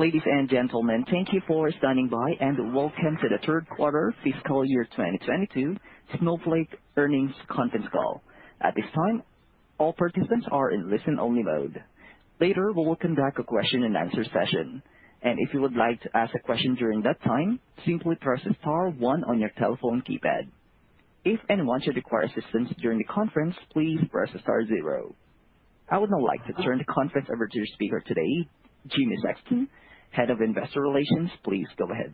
Ladies and gentlemen, thank you for standing by, and welcome to the third quarter fiscal year 2022 Snowflake earnings conference call. At this time, all participants are in listen only mode. Later, we will conduct a question and answer session, and if you would like to ask a question during that time, simply press star one on your telephone keypad. If anyone should require assistance during the conference, please press star zero. I would now like to turn the conference over to your speaker today, Jimmy Sexton, Head of Investor Relations. Please go ahead.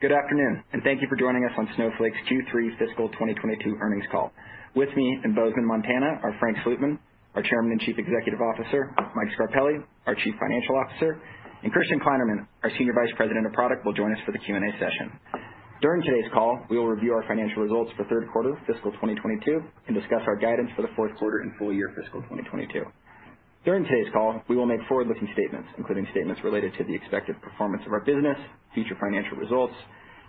Good afternoon, and thank you for joining us on Snowflake's Q3 fiscal 2022 earnings call. With me in Bozeman, Montana, are Frank Slootman, our Chairman and Chief Executive Officer, Mike Scarpelli, our Chief Financial Officer, and Christian Kleinerman, our Senior Vice President of Product, will join us for the Q&A session. During today's call, we will review our financial results for third quarter fiscal 2022 and discuss our guidance for the fourth quarter and full year fiscal 2022. During today's call, we will make forward-looking statements, including statements related to the expected performance of our business, future financial results,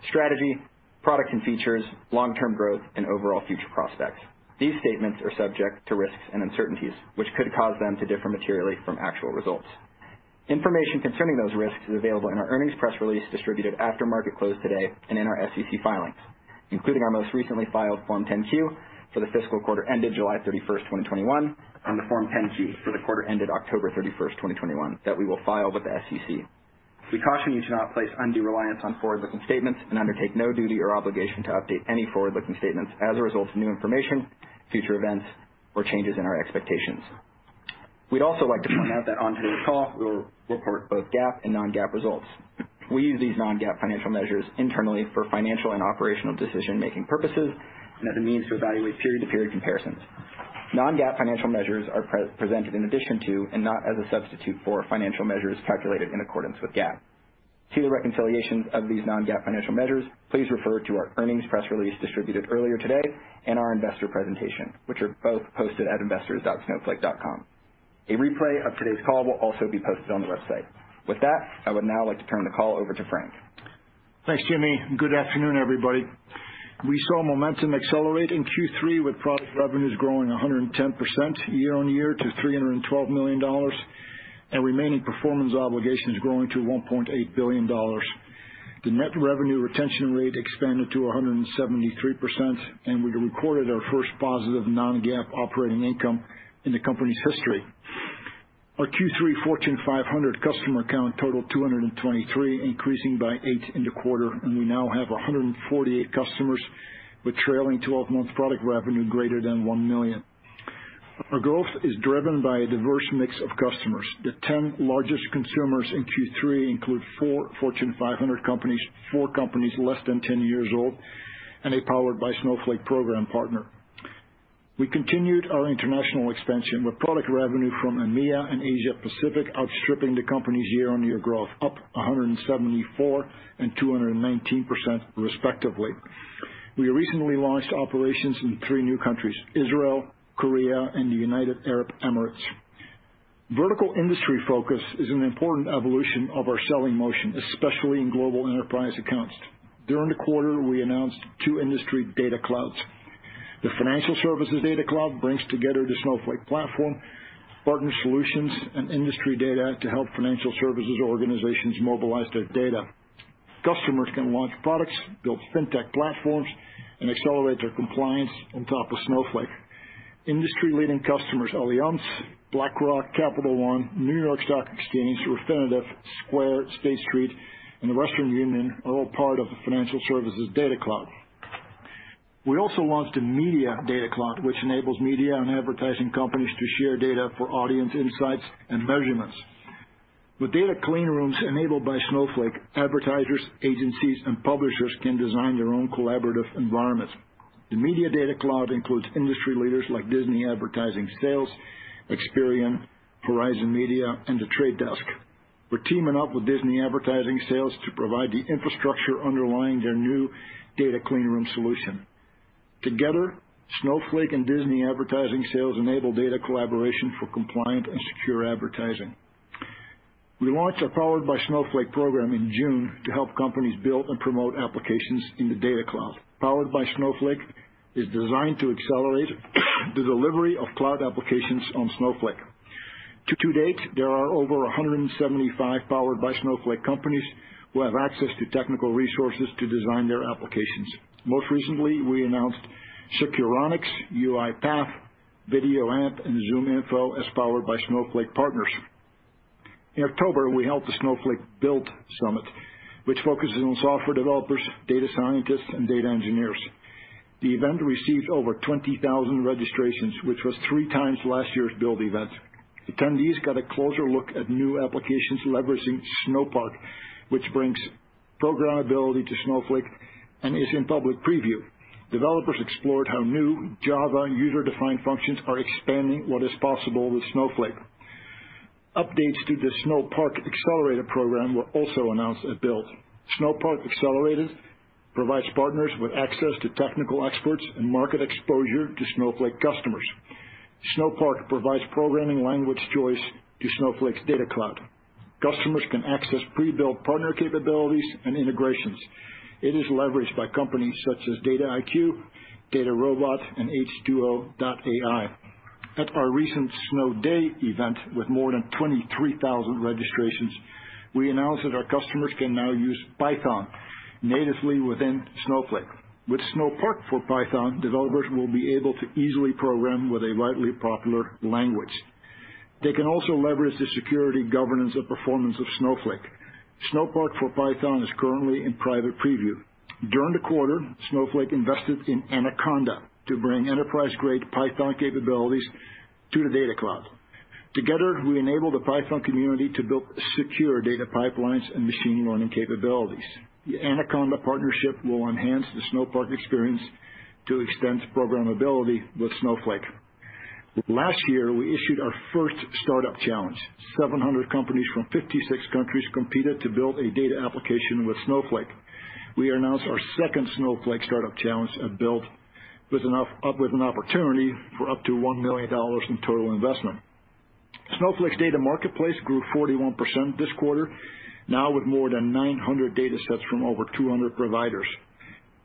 strategy, products and features, long-term growth, and overall future prospects. These statements are subject to risks and uncertainties, which could cause them to differ materially from actual results. Information concerning those risks is available in our earnings press release distributed after market close today and in our SEC filings, including our most recently filed Form 10-Q for the fiscal quarter ended July 31, 2021, and the Form 10-Q for the quarter ended October 31, 2021 that we will file with the SEC. We caution you to not place undue reliance on forward-looking statements and undertake no duty or obligation to update any forward-looking statements as a result of new information, future events, or changes in our expectations. We'd also like to point out that on today's call, we'll report both GAAP and non-GAAP results. We use these non-GAAP financial measures internally for financial and operational decision-making purposes and as a means to evaluate period-to-period comparisons. Non-GAAP financial measures are presented in addition to and not as a substitute for financial measures calculated in accordance with GAAP. To see the reconciliations of these non-GAAP financial measures, please refer to our earnings press release distributed earlier today and our investor presentation, which are both posted at investors.snowflake.com. A replay of today's call will also be posted on the website. With that, I would now like to turn the call over to Frank. Thanks, Jimmy. Good afternoon, everybody. We saw momentum accelerate in Q3 with product revenues growing 110% year-on-year to $312 million and remaining performance obligations growing to $1.8 billion. The net revenue retention rate expanded to 173%, and we recorded our first positive non-GAAP operating income in the company's history. Our Q3 Fortune 500 customer count totaled 223, increasing by eight in the quarter, and we now have 148 customers with trailing twelve-month product revenue greater than $1 million. Our growth is driven by a diverse mix of customers. The 10 largest consumers in Q3 include four Fortune 500 companies, four companies less than 10 years old, and a Powered by Snowflake program partner. We continued our international expansion, with product revenue from EMEA and Asia Pacific outstripping the company's year-over-year growth, up 174% and 219% respectively. We recently launched operations in three new countries, Israel, Korea, and the United Arab Emirates. Vertical industry focus is an important evolution of our selling motion, especially in global enterprise accounts. During the quarter, we announced two industry Data Clouds. The Financial Services Data Cloud brings together the Snowflake platform, partner solutions, and industry data to help financial services organizations mobilize their data. Customers can launch products, build fintech platforms, and accelerate their compliance on top of Snowflake. Industry-leading customers, Allianz, BlackRock, Capital One, New York Stock Exchange, Refinitiv, Square, State Street, and Western Union are all part of the Financial Services Data Cloud. We also launched a Media Data Cloud, which enables media and advertising companies to share data for audience insights and measurements. With data clean rooms enabled by Snowflake, advertisers, agencies, and publishers can design their own collaborative environments. The Media Data Cloud includes industry leaders like Disney Advertising Sales, Experian, Horizon Media, and The Trade Desk. We're teaming up with Disney Advertising Sales to provide the infrastructure underlying their new data clean room solution. Together, Snowflake and Disney Advertising Sales enable data collaboration for compliant and secure advertising. We launched our Powered by Snowflake program in June to help companies build and promote applications in the Data Cloud. Powered by Snowflake is designed to accelerate the delivery of cloud applications on Snowflake. To date, there are over 175 Powered by Snowflake companies who have access to technical resources to design their applications. Most recently, we announced Securonix, UiPath, VideoAmp, and ZoomInfo as Powered by Snowflake partners. In October, we held the Snowflake Build Summit, which focuses on software developers, data scientists, and data engineers. The event received over 20,000 registrations, which was three times last year's Build event. Attendees got a closer look at new applications leveraging Snowpark, which brings programmability to Snowflake and is in public preview. Developers explored how new Java user-defined functions are expanding what is possible with Snowflake. Updates to the Snowpark Accelerator program were also announced at Build. Snowpark Accelerator provides partners with access to technical experts and market exposure to Snowflake customers. Snowpark provides programming language choice to Snowflake's Data Cloud. Customers can access pre-built partner capabilities and integrations. It is leveraged by companies such as Dataiku, DataRobot, and H2O.ai. At our recent Snowday event, with more than 23,000 registrations, we announced that our customers can now use Python natively within Snowflake. With Snowpark for Python, developers will be able to easily program with a widely popular language. They can also leverage the security, governance, and performance of Snowflake. Snowpark for Python is currently in private preview. During the quarter, Snowflake invested in Anaconda to bring enterprise-grade Python capabilities to the Data Cloud. Together, we enable the Python community to build secure data pipelines and machine learning capabilities. The Anaconda partnership will enhance the Snowpark experience to extend programmability with Snowflake. Last year, we issued our first Startup Challenge. 700 companies from 56 countries competed to build a data application with Snowflake. We announced our second Snowflake Startup Challenge at Build with up to $1 million in total investment. Snowflake's data marketplace grew 41% this quarter, now with more than 900 datasets from over 200 providers.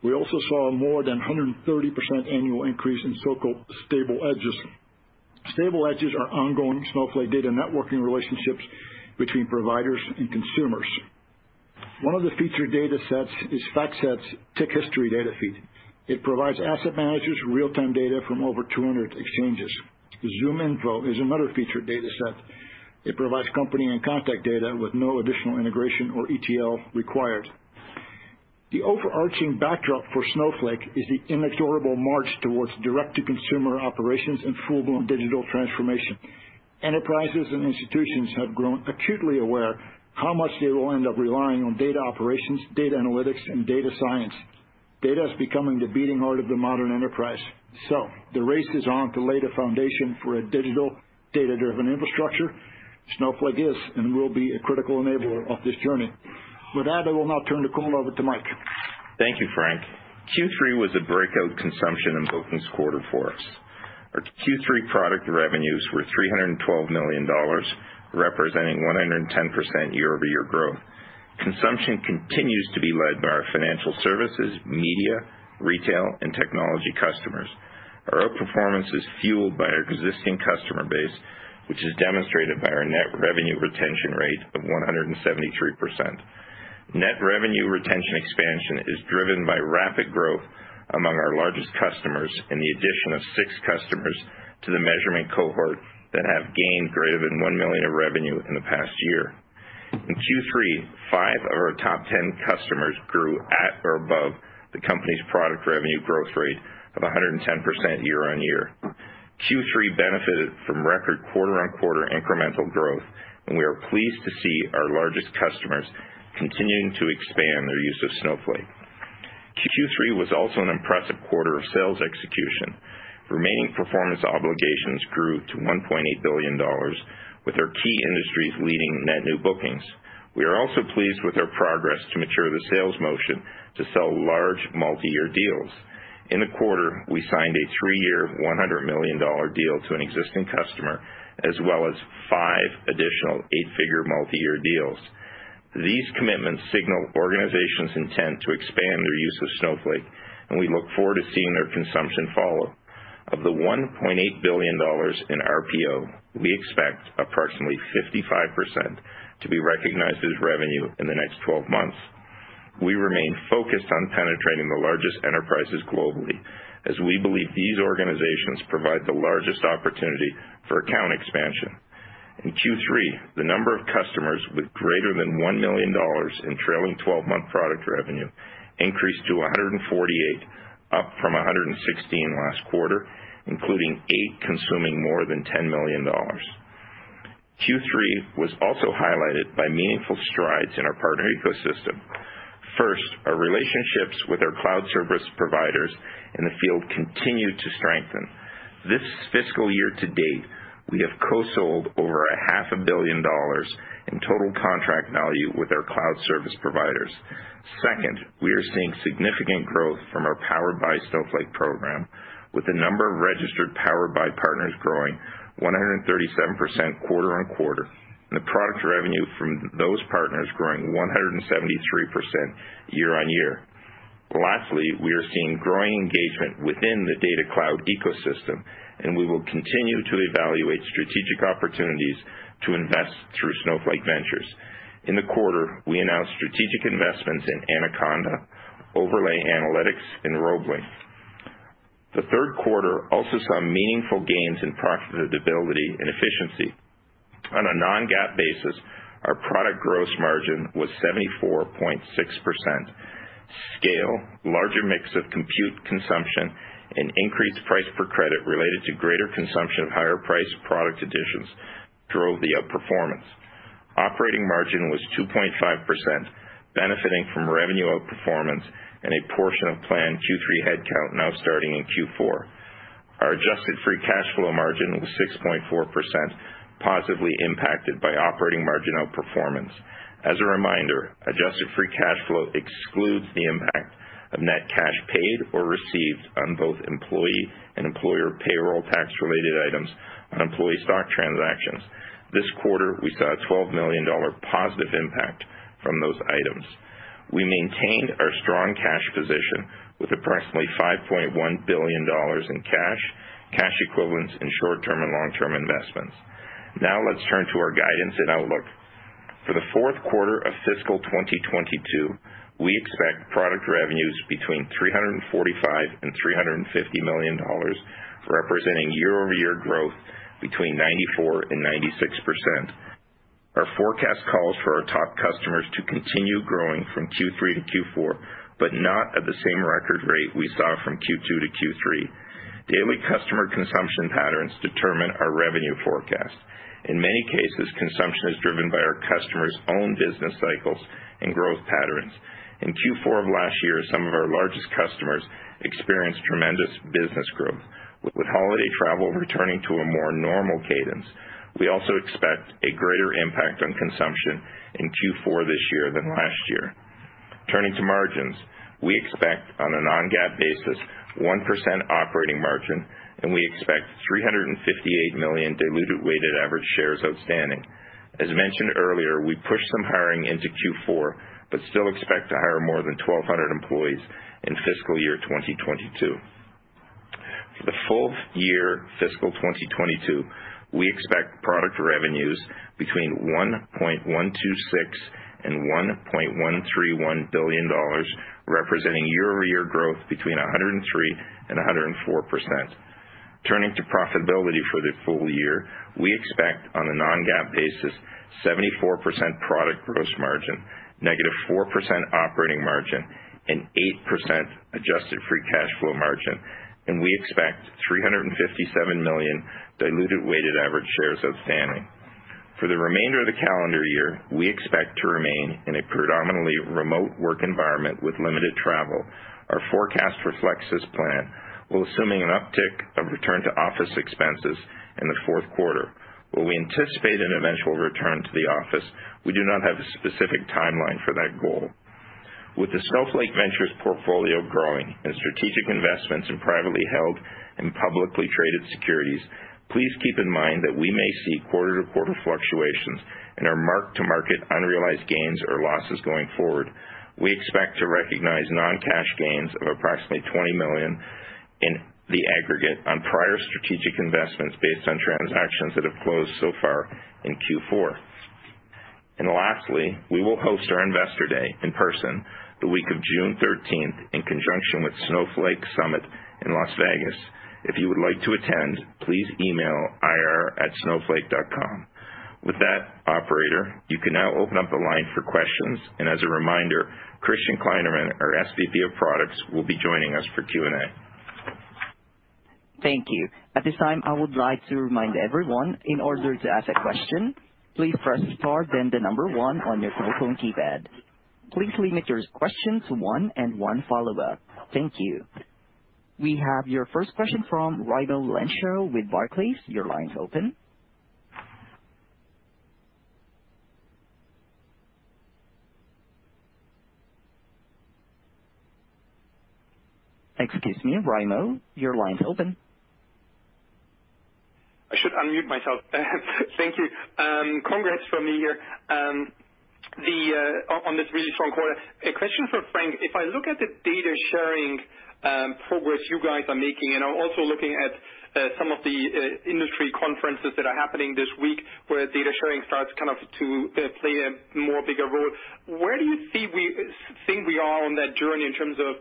We also saw more than 130% annual increase in so-called stable edges. Stable edges are ongoing Snowflake data networking relationships between providers and consumers. One of the featured datasets is FactSet's tick history data feed. It provides asset managers real-time data from over 200 exchanges. ZoomInfo is another featured dataset. It provides company and contact data with no additional integration or ETL required. The overarching backdrop for Snowflake is the inexorable march towards direct-to-consumer operations and full-blown digital transformation. Enterprises and institutions have grown acutely aware how much they will end up relying on data operations, data analytics, and data science. Data is becoming the beating heart of the modern enterprise. The race is on to lay the foundation for a digital, data-driven infrastructure. Snowflake is and will be a critical enabler of this journey. With that, I will now turn the call over to Mike. Thank you, Frank. Q3 was a breakout consumption and bookings quarter for us. Our Q3 product revenues were $312 million, representing 110% year-over-year growth. Consumption continues to be led by our financial services, media, retail, and technology customers. Our outperformance is fueled by our existing customer base, which is demonstrated by our net revenue retention rate of 173%. Net revenue retention expansion is driven by rapid growth among our largest customers and the addition of six customers to the measurement cohort that have gained greater than $1 million of revenue in the past year. In Q3, five of our top 10 customers grew at or above the company's product revenue growth rate of 110% year-over-year. Q3 benefited from record quarter-on-quarter incremental growth, and we are pleased to see our largest customers continuing to expand their use of Snowflake. Q3 was also an impressive quarter of sales execution. Remaining performance obligations grew to $1.8 billion, with our key industries leading net new bookings. We are also pleased with our progress to mature the sales motion to sell large multi-year deals. In the quarter, we signed a three-year, $100 million deal to an existing customer, as well as five additional eight-figure multi-year deals. These commitments signal organizations' intent to expand their use of Snowflake, and we look forward to seeing their consumption follow. Of the $1.8 billion in RPO, we expect approximately 55% to be recognized as revenue in the next twelve months. We remain focused on penetrating the largest enterprises globally, as we believe these organizations provide the largest opportunity for account expansion. In Q3, the number of customers with greater than $1 million in trailing twelve-month product revenue increased to 148, up from 116 last quarter, including eight consuming more than $10 million. Q3 was also highlighted by meaningful strides in our partner ecosystem. First, our relationships with our cloud service providers in the field continue to strengthen. This fiscal year to date, we have co-sold over a half a billion dollars in total contract value with our cloud service providers. Second, we are seeing significant growth from our Powered by Snowflake program, with the number of registered Powered by partners growing 137% quarter on quarter, and the product revenue from those partners growing 173% year on year. Lastly, we are seeing growing engagement within the Data Cloud ecosystem, and we will continue to evaluate strategic opportunities to invest through Snowflake Ventures. In the quarter, we announced strategic investments in Anaconda, Overlay Analytics, and Robling. The third quarter also saw meaningful gains in profitability and efficiency. On a non-GAAP basis, our product gross margin was 74.6%. Scale, larger mix of compute consumption, and increased price per credit related to greater consumption of higher-priced product additions drove the outperformance. Operating margin was 2.5%, benefiting from revenue outperformance and a portion of planned Q3 headcount now starting in Q4. Our adjusted free cash flow margin was 6.4%, positively impacted by operating margin outperformance. As a reminder, adjusted free cash flow excludes the impact of net cash paid or received on both employee and employer payroll tax-related items. Employee stock transactions. This quarter, we saw a $12 million positive impact from those items. We maintained our strong cash position with approximately $5.1 billion in cash equivalents and short-term and long-term investments. Now let's turn to our guidance and outlook. For the fourth quarter of fiscal 2022, we expect product revenues between $345 million and $350 million, representing year-over-year growth between 94% and 96%. Our forecast calls for our top customers to continue growing from Q3 to Q4, but not at the same record rate we saw from Q2 to Q3. Daily customer consumption patterns determine our revenue forecast. In many cases, consumption is driven by our customers' own business cycles and growth patterns. In Q4 of last year, some of our largest customers experienced tremendous business growth. With holiday travel returning to a more normal cadence, we also expect a greater impact on consumption in Q4 this year than last year. Turning to margins, we expect, on a non-GAAP basis, 1% operating margin, and we expect 358 million diluted weighted average shares outstanding. As mentioned earlier, we pushed some hiring into Q4, but still expect to hire more than 1,200 employees in fiscal year 2022. For the full year fiscal 2022, we expect product revenues between $1.126 billion and $1.131 billion, representing year-over-year growth between 103% and 104%. Turning to profitability for the full year, we expect, on a non-GAAP basis, 74% product gross margin, -4% operating margin, and 8% adjusted free cash flow margin, and we expect 357 million diluted weighted average shares outstanding. For the remainder of the calendar year, we expect to remain in a predominantly remote work environment with limited travel. Our forecast reflects this plan while assuming an uptick of return to office expenses in the fourth quarter. While we anticipate an eventual return to the office, we do not have a specific timeline for that goal. With the Snowflake Ventures portfolio growing and strategic investments in privately held and publicly traded securities, please keep in mind that we may see quarter-to-quarter fluctuations in our mark-to-market unrealized gains or losses going forward. We expect to recognize non-cash gains of approximately $20 million in the aggregate on prior strategic investments based on transactions that have closed so far in Q4. Lastly, we will host our Investor Day in person the week of June 13 in conjunction with Snowflake Summit in Las Vegas. If you would like to attend, please email ir@snowflake.com. With that, operator, you can now open up the line for questions. As a reminder, Christian Kleinerman, our SVP of Products, will be joining us for Q&A. Thank you. At this time, I would like to remind everyone, in order to ask a question, please press star then the number one on your telephone keypad. Please limit your questions to one and one follow-up. Thank you. We have your first question from Raimo Lenschow with Barclays. Your line's open. Excuse me, Raimo, your line's open. I should unmute myself. Thank you. Congrats from me here, on this really strong quarter. A question for Frank. If I look at the data sharing progress you guys are making, and I'm also looking at some of the industry conferences that are happening this week, where data sharing starts kind of to play a more bigger role, where do you think we are on that journey in terms of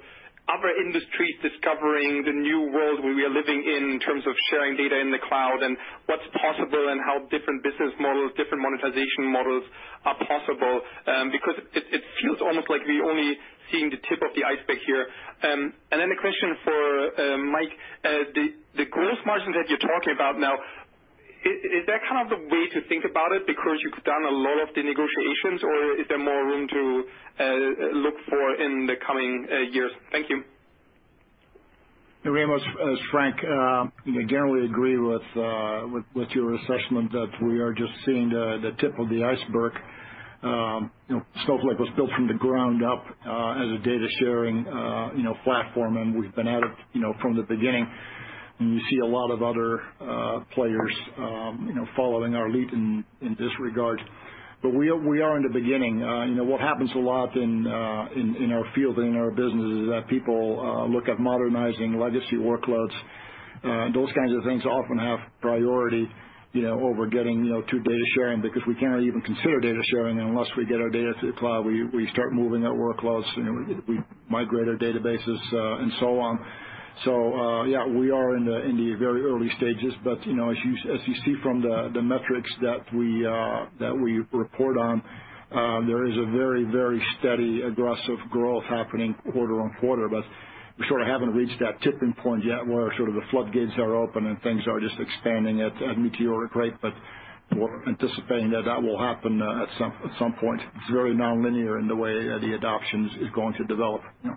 other industries discovering the new world where we are living in terms of sharing data in the cloud and what's possible and how different business models, different monetization models are possible? Because it feels almost like we only seeing the tip of the iceberg here. Then a question for Mike. The gross margins that you're talking about now, is that kind of the way to think about it because you've done a lot of the negotiations, or is there more room to look for in the coming years? Thank you. Raimo, as Frank, you know, generally agree with your assessment that we are just seeing the tip of the iceberg. You know, Snowflake was built from the ground up as a data sharing platform, and we've been at it from the beginning. You see a lot of other players following our lead in this regard. We are in the beginning. You know, what happens a lot in our field and in our business is that people look at modernizing legacy workloads. Those kinds of things often have priority over getting to data sharing, because we cannot even consider data sharing unless we get our data to the cloud. We start moving our workloads, you know. We migrate our databases and so on. Yeah, we are in the very early stages. You know, as you see from the metrics that we report on, there is a very steady aggressive growth happening quarter on quarter. We sort of haven't reached that tipping point yet where sort of the floodgates are open and things are just expanding at a meteoric rate. We're anticipating that will happen at some point. It's very nonlinear in the way the adoption is going to develop. You know?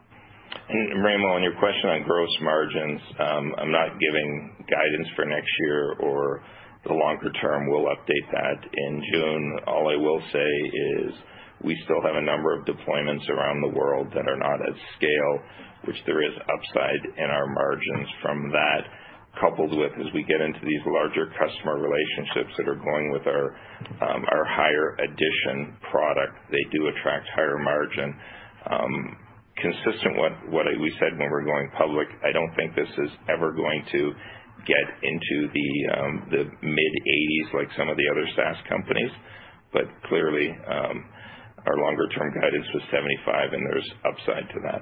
Mike, on your question on gross margins, I'm not giving guidance for next year or the longer term. We'll update that in June. All I will say is we still have a number of deployments around the world that are not at scale, which there is upside in our margins from that, coupled with as we get into these larger customer relationships that are going with our higher edition product, they do attract higher margin. Consistent with what we said when we're going public, I don't think this is ever going to get into the mid-80s% like some of the other SaaS companies, but clearly, our longer term guidance was 75% and there's upside to that.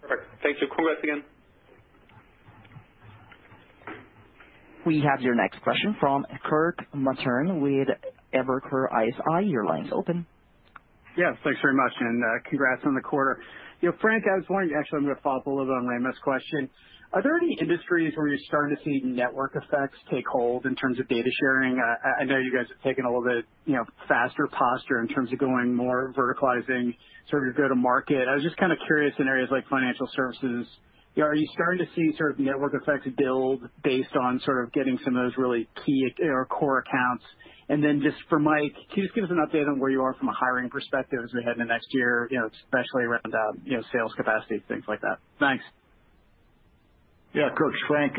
Perfect. Thanks. Cool. Thanks again. We have your next question from Kirk Materne with Evercore ISI. Your line's open. Yes, thanks very much, and congrats on the quarter. You know, Frank, I was wondering. Actually, I'm gonna follow up a little on Raimo's question. Are there any industries where you're starting to see network effects take hold in terms of data sharing? I know you guys have taken a little bit, you know, faster posture in terms of going more verticalizing sort of your go-to-market. I was just kind of curious in areas like financial services, you know, are you starting to see certain network effects build based on sort of getting some of those really key or core accounts? And then just for Mike, can you just give us an update on where you are from a hiring perspective as we head into next year, you know, especially around, you know, sales capacity, things like that. Thanks. Yeah, Kirk. Frank,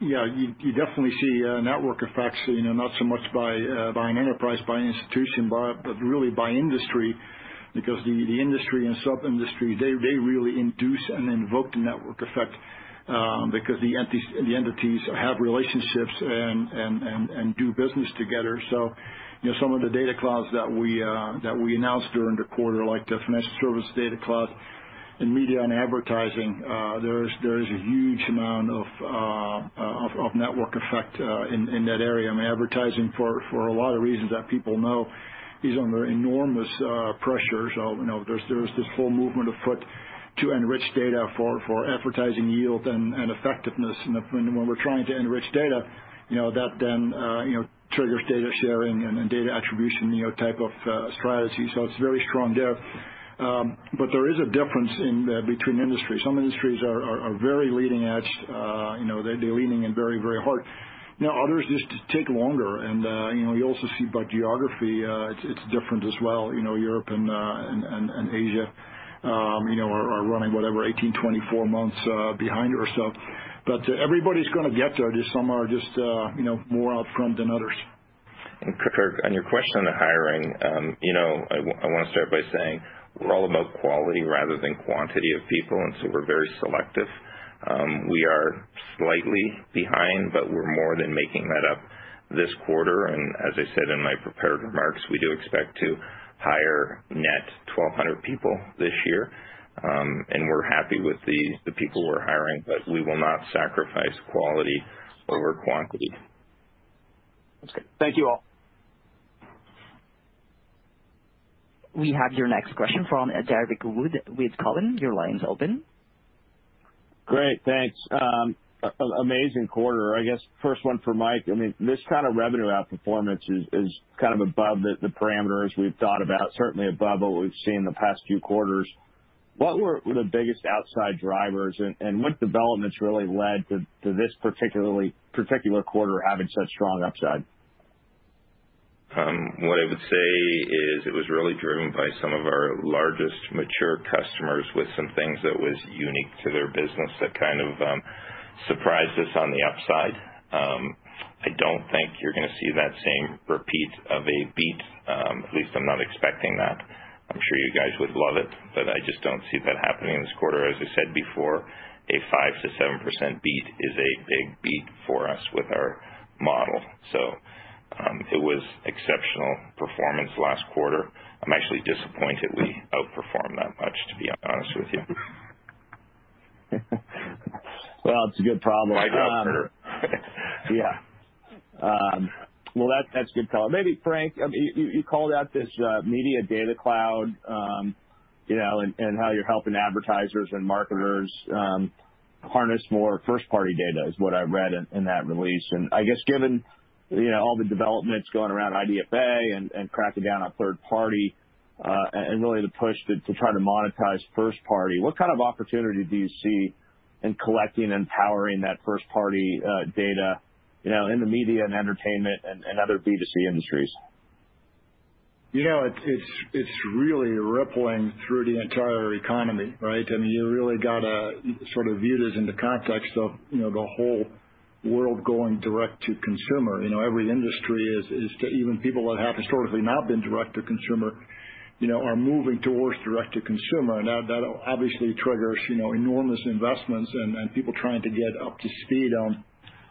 yeah, you definitely see network effects, you know, not so much by an enterprise, by an institution, but really by industry, because the industry and sub-industry, they really induce and invoke the network effect, because the entities have relationships and do business together. You know, some of the data clouds that we announced during the quarter, like the Financial Services Data Cloud and media and advertising, there is a huge amount of network effect in that area. I mean, advertising for a lot of reasons that people know is under enormous pressure. You know, there's this whole movement afoot to enrich data for advertising yield and effectiveness. When we're trying to enrich data, you know, that then triggers data sharing and data attribution, you know, type of strategy. It's very strong there. There is a difference between industries. Some industries are very leading edge, you know, they're leaning in very, very hard. You know, others just take longer. You know, you also see by geography, it's different as well. You know, Europe and Asia, you know, are running whatever, 18, 24 months behind or so. Everybody's gonna get there, just some are just, you know, more out front than others. Kirk, on your question on the hiring, you know, I wanna start by saying we're all about quality rather than quantity of people, and so we're very selective. We are slightly behind, but we're more than making that up this quarter. As I said in my prepared remarks, we do expect to hire net 1,200 people this year. We're happy with the people we're hiring, but we will not sacrifice quality over quantity. Okay. Thank you all. We have your next question from Derrick Wood with Cowen. Your line's open. Great, thanks. Amazing quarter. I guess first one for Mike. I mean, this kind of revenue outperformance is kind of above the parameters we've thought about, certainly above what we've seen the past few quarters. What were the biggest outside drivers and what developments really led to this particular quarter having such strong upside? What I would say is it was really driven by some of our largest mature customers with some things that was unique to their business that kind of surprised us on the upside. I don't think you're gonna see that same repeat of a beat. At least I'm not expecting that. I'm sure you guys would love it, but I just don't see that happening in this quarter. As I said before, a 5%-7% beat is a big beat for us with our model. It was exceptional performance last quarter. I'm actually disappointed we outperformed that much, to be honest with you. Well, it's a good problem. Sure. Yeah. Well, that's a good problem. Maybe Frank, you called out this Media Data Cloud, you know, and how you're helping advertisers and marketers harness more first-party data is what I read in that release. I guess given, you know, all the developments going around IDFA and cracking down on third-party and really the push to try to monetize first-party, what kind of opportunity do you see in collecting and powering that first-party data, you know, in the media and entertainment and other B2C industries? You know, it's really rippling through the entire economy, right? I mean, you really gotta sort of view this in the context of, you know, the whole world going direct to consumer. You know, every industry even people that have historically not been direct to consumer, you know, are moving towards direct to consumer. Now, that obviously triggers, you know, enormous investments and people trying to get up to speed on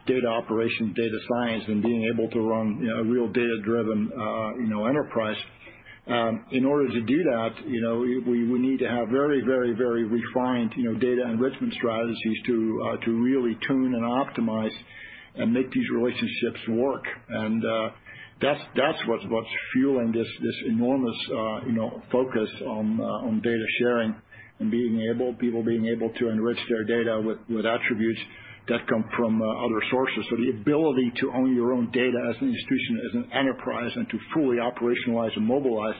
data operations, data science, and being able to run, you know, a real data-driven, you know, enterprise. In order to do that, you know, we need to have very refined, you know, data enrichment strategies to really tune and optimize and make these relationships work. That's what's fueling this enormous, you know, focus on data sharing and people being able to enrich their data with attributes that come from other sources. The ability to own your own data as an institution, as an enterprise, and to fully operationalize and mobilize.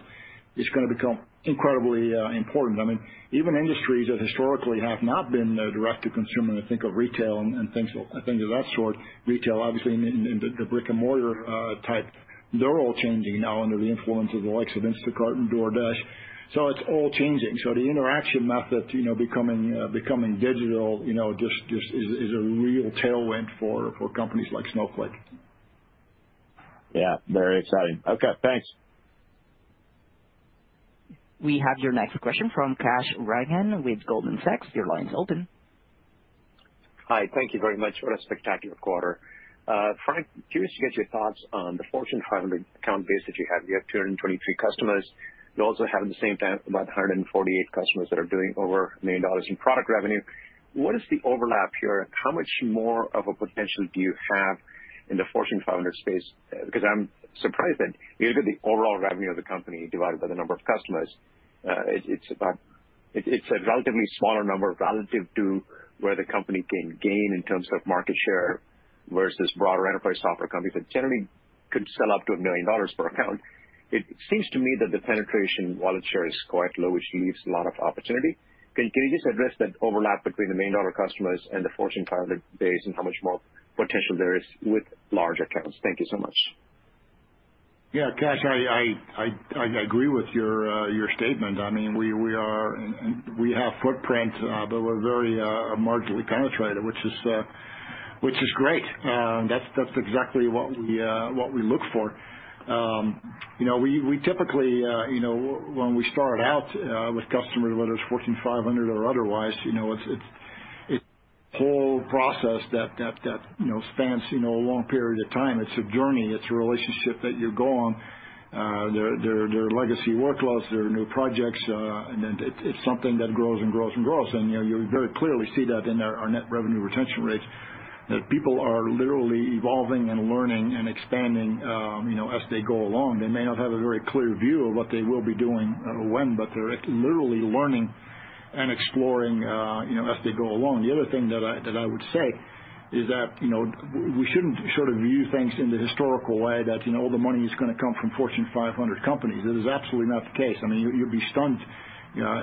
It's gonna become incredibly important. I mean, even industries that historically have not been direct to consumer, I think of retail and things, I think of that sort. Retail, obviously in the brick-and-mortar type, they're all changing now under the influence of the likes of Instacart and DoorDash. It's all changing. The interaction method, you know, becoming digital, you know, just is a real tailwind for companies like Snowflake. Yeah, very exciting. Okay, thanks. We have your next question from Kash Rangan with Goldman Sachs. Your line is open. Hi. Thank you very much. What a spectacular quarter. Frank, curious to get your thoughts on the Fortune 500 account base that you have. You have 223 customers. You also have, at the same time, about 148 customers that are doing over $1 million in product revenue. What is the overlap here? How much more of a potential do you have in the Fortune 500 space? Because I'm surprised that given the overall revenue of the company divided by the number of customers, it's a relatively smaller number relative to where the company can gain in terms of market share versus broader enterprise software companies that generally could sell up to $1 million per account. It seems to me that the penetration wallet share is quite low, which leaves a lot of opportunity. Can you just address that overlap between the million-dollar customers and the Fortune 500 base and how much more potential there is with large accounts? Thank you so much. Yeah. Kash, I agree with your statement. I mean, we are and we have footprint, but we're very marginally penetrated, which is great. That's exactly what we look for. You know, we typically, you know, when we start out with customers, whether it's Fortune 500 or otherwise, you know, it's a whole process that, you know, spans a long period of time. It's a journey. It's a relationship that you go on. Their legacy workloads, their new projects, and then it's something that grows and grows and grows. You know, you very clearly see that in our net revenue retention rates, that people are literally evolving and learning and expanding, you know, as they go along. They may not have a very clear view of what they will be doing or when, but they're literally learning and exploring, you know, as they go along. The other thing that I would say is that, you know, we shouldn't sort of view things in the historical way that, you know, all the money is gonna come from Fortune 500 companies. That is absolutely not the case. I mean, you'd be stunned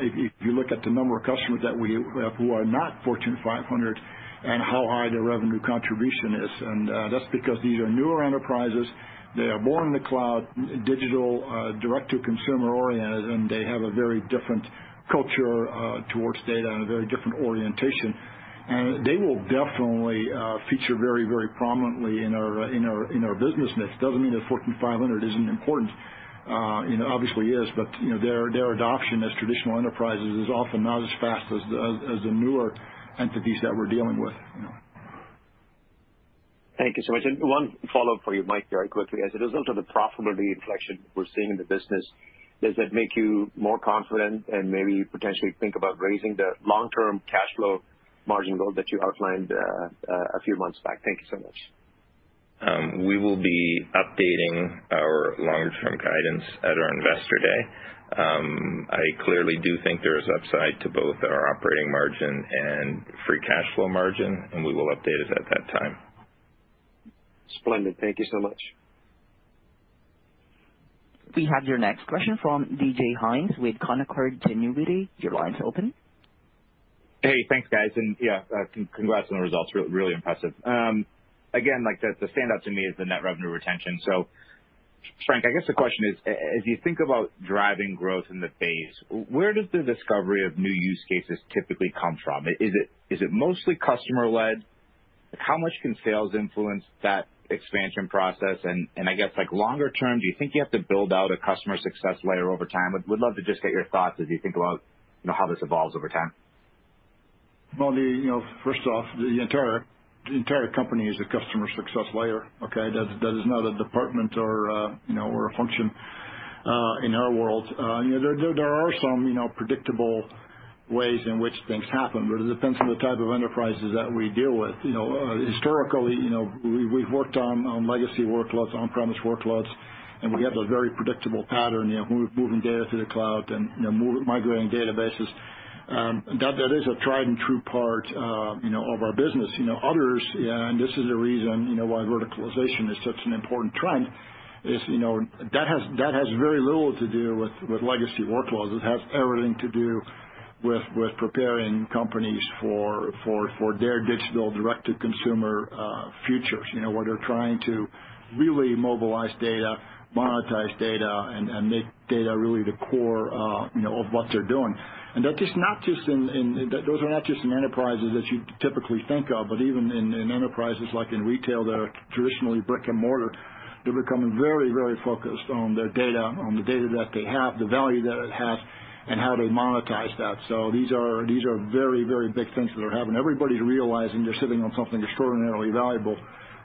if you look at the number of customers that we have who are not Fortune 500 and how high their revenue contribution is. That's because these are newer enterprises. They are born in the cloud, digital, direct to consumer-oriented, and they have a very different culture towards data and a very different orientation. They will definitely feature very, very prominently in our business mix. Doesn't mean that Fortune 500 isn't important. You know, obviously it is, but you know, their adoption as traditional enterprises is often not as fast as the newer entities that we're dealing with, you know. Thank you so much. One follow-up for you, Mike, very quickly. As a result of the profitability inflection we're seeing in the business, does that make you more confident and maybe potentially think about raising the long-term cash flow margin goal that you outlined, a few months back? Thank you so much. We will be updating our long-term guidance at our investor day. I clearly do think there is upside to both our operating margin and free cash flow margin, and we will update it at that time. Splendid. Thank you so much. We have your next question from DJ Hynes with Canaccord Genuity. Your line's open. Hey, thanks, guys. Yeah, congrats on the results. Really impressive. Again, like, the standout to me is the net revenue retention. Frank, I guess the question is, as you think about driving growth in the base, where does the discovery of new use cases typically come from? Is it mostly customer-led? How much can sales influence that expansion process? I guess, like, longer term, do you think you have to build out a customer success layer over time? Would love to just get your thoughts as you think about, you know, how this evolves over time. Well, you know, first off, the entire company is a customer success layer, okay? That is not a department or, you know, or a function in our world. You know, there are some, you know, predictable ways in which things happen, but it depends on the type of enterprises that we deal with. You know, historically, you know, we've worked on legacy workloads, on-premise workloads, and we have a very predictable pattern. You know, moving data to the cloud and, you know, migrating databases. That is a tried and true part, you know, of our business. You know, others, and this is a reason, you know, why verticalization is such an important trend, is, you know, that has very little to do with legacy workloads. It has everything to do with preparing companies for their digital direct to consumer futures, you know, where they're trying to really mobilize data, monetize data, and make data really the core, you know, of what they're doing. Those are not just in enterprises that you typically think of, but even in enterprises like retail that are traditionally brick-and-mortar, they're becoming very focused on their data, on the data that they have, the value that it has, and how to monetize that. These are very big things that are happening. Everybody's realizing they're sitting on something extraordinarily valuable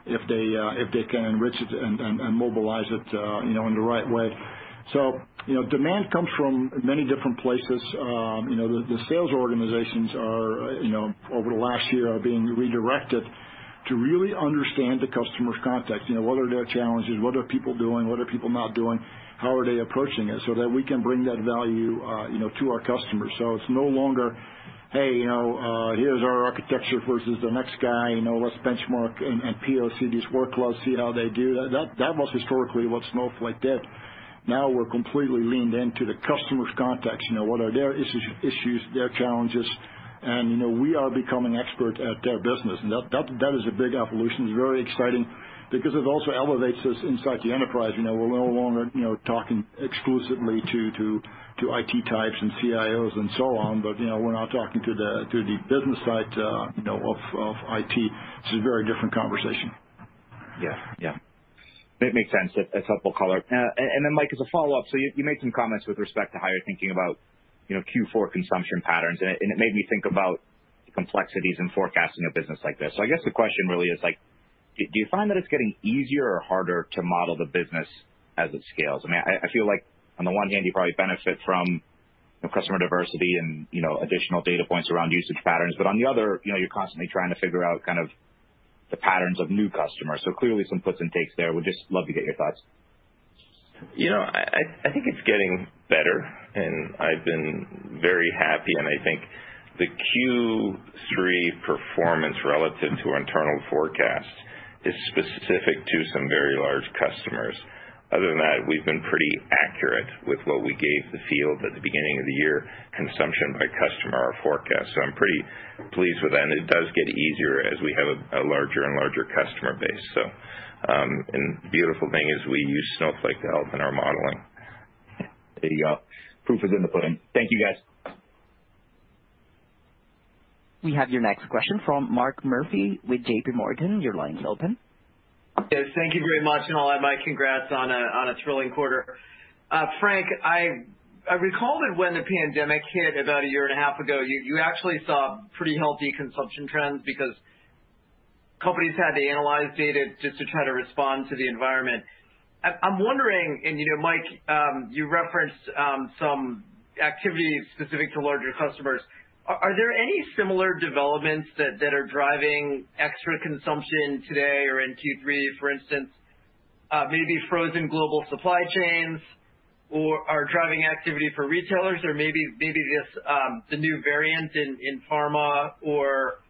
if they can enrich it and mobilize it, you know, in the right way. You know, demand comes from many different places. You know, the sales organizations, you know, over the last year, are being redirected to really understand the customer's context. You know, what are their challenges? What are people doing? What are people not doing? How are they approaching it? So that we can bring that value, you know, to our customers. It's no longer. Hey, you know, here's our architecture versus the next guy, you know, let's benchmark and POC these workloads, see how they do. That was historically what Snowflake did. Now we're completely leaned into the customer's context. You know, what are their issues, their challenges. You know, we are becoming expert at their business. That is a big evolution. It's very exciting because it also elevates us inside the enterprise. You know, we're no longer, you know, talking exclusively to IT types and CIOs and so on, but, you know, we're now talking to the business side, you know, of IT. It's a very different conversation. Yeah. It makes sense. A helpful color. Mike, as a follow-up, you made some comments with respect to how you're thinking about, you know, Q4 consumption patterns. It made me think about complexities in forecasting a business like this. I guess the question really is, like, do you find that it's getting easier or harder to model the business as it scales? I mean, I feel like on the one hand, you probably benefit from customer diversity and, you know, additional data points around usage patterns, but on the other, you know, you're constantly trying to figure out kind of the patterns of new customers. Clearly some puts and takes there. Would just love to get your thoughts. You know, I think it's getting better, and I've been very happy. I think the Q3 performance relative to internal forecasts is specific to some very large customers. Other than that, we've been pretty accurate with what we gave the field at the beginning of the year, consumption by customer forecast. I'm pretty pleased with that. It does get easier as we have a larger and larger customer base. The beautiful thing is we use Snowflake to help in our modeling. There you go. Proof is in the pudding. Thank you, guys. We have your next question from Mark Murphy with JPMorgan. Your line is open. Yes, thank you very much. I'll add my congrats on a thrilling quarter. Frank, I recall that when the pandemic hit about a year and a half ago, you actually saw pretty healthy consumption trends because companies had to analyze data just to try to respond to the environment. I'm wondering, you know, Mike, you referenced some activity specific to larger customers. Are there any similar developments that are driving extra consumption today or in Q3, for instance, maybe frozen global supply chains or are driving activity for retailers or maybe this the new variant in pharma or,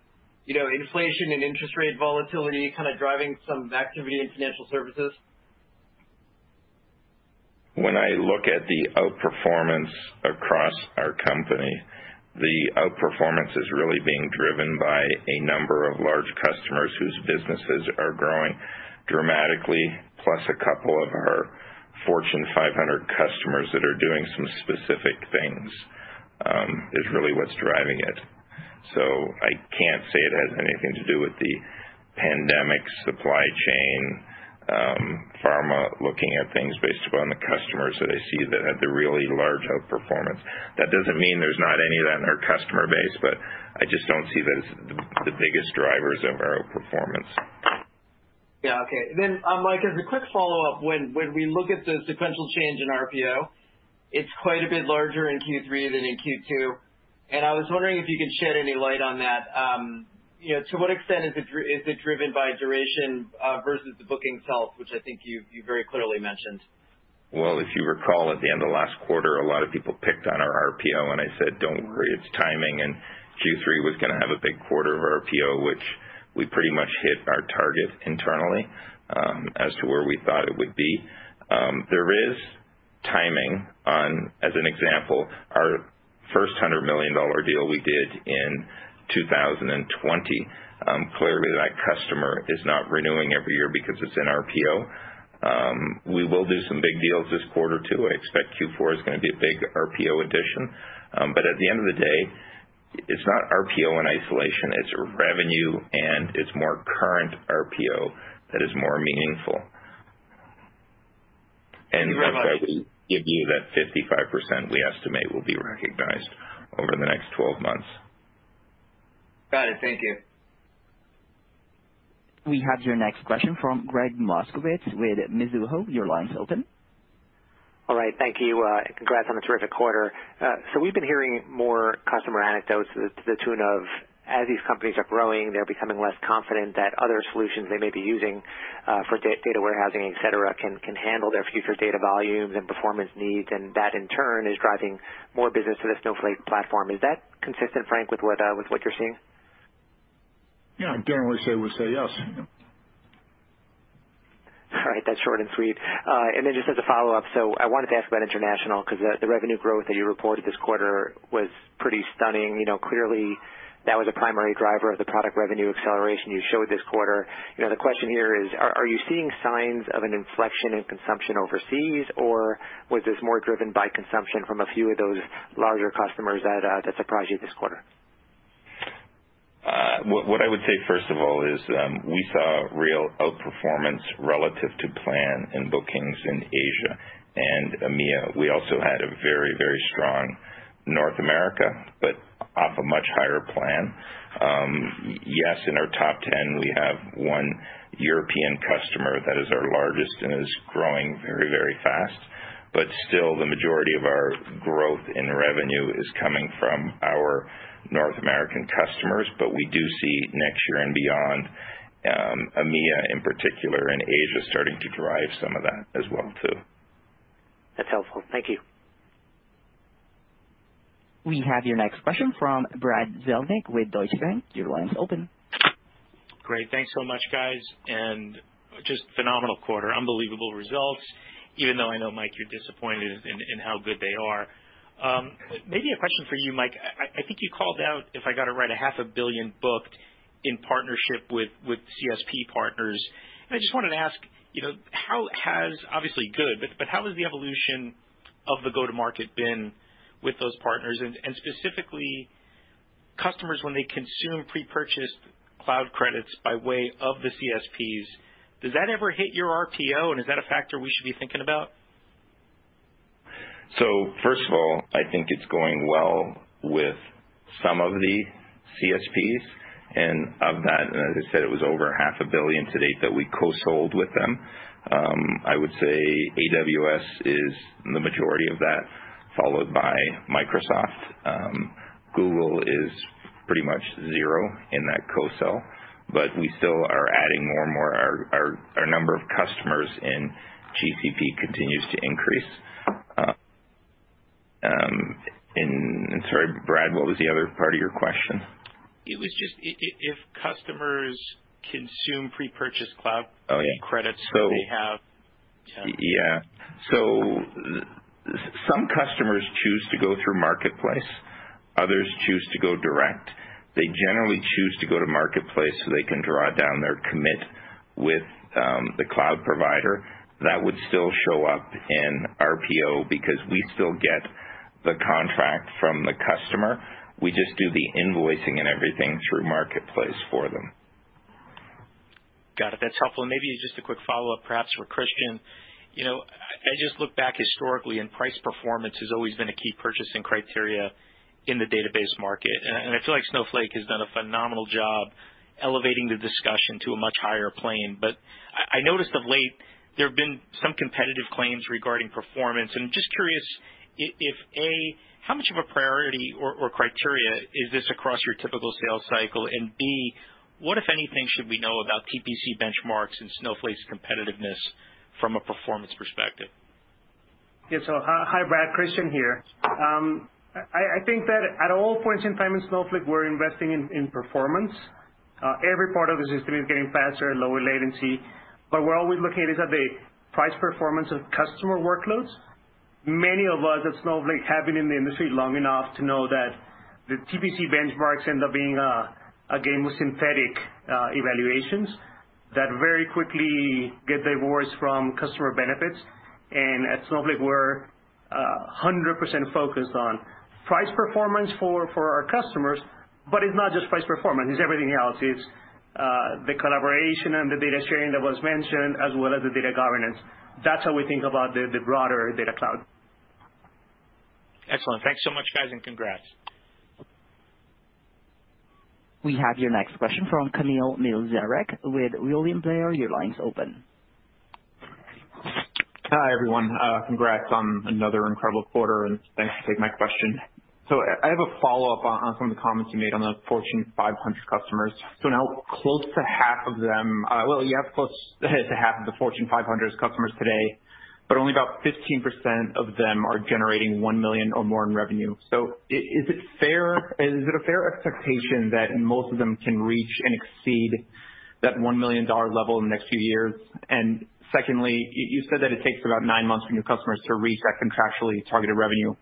you know, inflation and interest rate volatility kind of driving some activity in financial services? When I look at the outperformance across our company, the outperformance is really being driven by a number of large customers whose businesses are growing dramatically, plus a couple of our Fortune 500 customers that are doing some specific things, is really what's driving it. I can't say it has anything to do with the pandemic supply chain, pharma looking at things based upon the customers that I see that had the really large outperformance. That doesn't mean there's not any of that in our customer base, but I just don't see that as the biggest drivers of our outperformance. Yeah. Okay. Mike, as a quick follow-up, when we look at the sequential change in RPO, it's quite a bit larger in Q3 than in Q2, and I was wondering if you could shed any light on that. You know, to what extent is it driven by duration versus the booking itself, which I think you very clearly mentioned? Well, if you recall, at the end of last quarter, a lot of people picked on our RPO, and I said, "Don't worry, it's timing." Q3 was gonna have a big quarter of RPO, which we pretty much hit our target internally, as to where we thought it would be. There is timing on, as an example, our first $100 million deal we did in 2020. Clearly, that customer is not renewing every year because it's an RPO. We will do some big deals this quarter, too. I expect Q4 is gonna be a big RPO addition. But at the end of the day, it's not RPO in isolation, it's revenue, and it's more current RPO that is more meaningful. You bet. That's why we give you that 55% we estimate will be recognized over the next 12 months. Got it. Thank you. We have your next question from Gregg Moskowitz with Mizuho. Your line is open. All right. Thank you. Congrats on a terrific quarter. We've been hearing more customer anecdotes to the tune of, as these companies are growing, they're becoming less confident that other solutions they may be using for data warehousing, et cetera, can handle their future data volumes and performance needs, and that, in turn, is driving more business to the Snowflake platform. Is that consistent, Frank, with what you're seeing? Yeah, I generally say we say yes. All right. That's short and sweet. Just as a follow-up, so I wanted to ask about international because the revenue growth that you reported this quarter was pretty stunning. You know, clearly that was a primary driver of the product revenue acceleration you showed this quarter. You know, the question here is, are you seeing signs of an inflection in consumption overseas, or was this more driven by consumption from a few of those larger customers that surprised you this quarter? What I would say, first of all, is, we saw real outperformance relative to plan in bookings in Asia and EMEA. We also had a very, very strong North America, but off a much higher plan. Yes, in our top ten, we have one European customer that is our largest and is growing very, very fast. Still, the majority of our growth in revenue is coming from our North American customers. We do see next year and beyond, EMEA in particular and Asia starting to drive some of that as well, too. That's helpful. Thank you. We have your next question from Brad Zelnick with Deutsche Bank. Your line is open. Great. Thanks so much, guys, and just a phenomenal quarter. Unbelievable results, even though I know, Mike, you're disappointed in how good they are. Maybe a question for you, Mike. I think you called out, if I got it right, $ half a billion booked in partnership with CSP partners. I just wanted to ask, you know, how has the evolution of the go-to-market been with those partners? Obviously good, but how has the evolution of the go-to-market been with those partners? Specifically, customers when they consume pre-purchased cloud credits by way of the CSPs, does that ever hit your RPO, and is that a factor we should be thinking about? I think it's going well with some of the CSPs, and as I said, it was over $ half a billion to date that we co-sold with them. I would say AWS is the majority of that, followed by Microsoft. Google is pretty much zero in that co-sell, but we still are adding more and more. Our number of customers in GCP continues to increase. Sorry, Brad, what was the other part of your question? It was just if customers consume pre-purchased cloud Oh, yeah. credits they have. Yeah. Some customers choose to go through Marketplace, others choose to go direct. They generally choose to go to Marketplace, so they can draw down their commit with the cloud provider. That would still show up in RPO because we still get the contract from the customer. We just do the invoicing and everything through Marketplace for them. Got it. That's helpful. Maybe just a quick follow-up, perhaps for Christian. You know, I just look back historically, and price performance has always been a key purchasing criteria in the database market. And I feel like Snowflake has done a phenomenal job elevating the discussion to a much higher plane. But I noticed of late there have been some competitive claims regarding performance. Just curious if, A, how much of a priority or criteria is this across your typical sales cycle, and B, what, if anything, should we know about TPC benchmarks and Snowflake's competitiveness from a performance perspective? Yeah. Hi, Brad. Christian here. I think that at all points in time in Snowflake, we're investing in performance. Every part of the system is getting faster and lower latency. What we're always looking at is the price performance of customer workloads. Many of us at Snowflake have been in the industry long enough to know that the TPC benchmarks end up being a game of synthetic evaluations that very quickly get divorced from customer benefits. At Snowflake, we're 100% focused on price performance for our customers. It's not just price performance, it's everything else. It's the collaboration and the data sharing that was mentioned, as well as the data governance. That's how we think about the broader Data Cloud. Excellent. Thanks so much, guys, and congrats. We have your next question from Kamil Mielczarek with William Blair. Your line is open. Hi, everyone. Congrats on another incredible quarter, and thanks for taking my question. I have a follow-up on some of the comments you made on the Fortune 500 customers. Now close to half of them, you have close to half of the Fortune 500 customers today, but only about 15% of them are generating $1 million or more in revenue. Is it fair, is it a fair expectation that most of them can reach and exceed that $1 million level in the next few years? And secondly, you said that it takes about 9 months for new customers to reach that contractually targeted revenue.